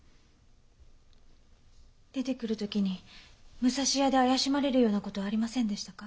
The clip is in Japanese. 出てくる時に武蔵屋で怪しまれるような事はありませんでしたか？